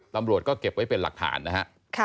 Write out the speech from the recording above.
ตำรวจก็เก็บไว้เป็นหลักฐานนะฮะ